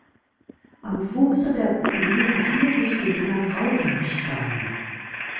Am Fuße der Ruine befindet sich die Villa Rauhenstein.